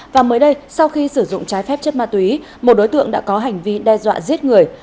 và mới đây sau khi sử dụng trái phép chất ma túy một đối tượng đã có hành vi đe dọa giết người